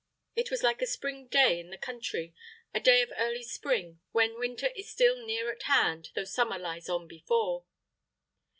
It was like a spring day in the country a day of early spring when winter is still near at hand, though summer lies on before.